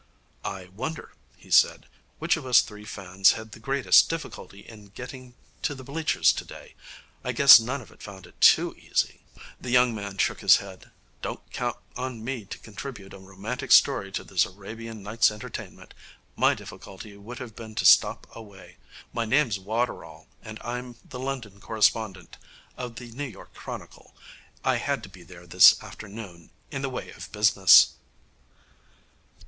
'I wonder,' he said, 'which of us three fans had the greatest difficulty in getting to the bleachers today. I guess none of us found it too easy.' The young man shook his head. 'Don't count on me to contribute a romantic story to this Arabian Night's Entertainment. My difficulty would have been to stop away. My name's Waterall, and I'm the London correspondent of the New York Chronicle. I had to be there this afternoon in the way of business.'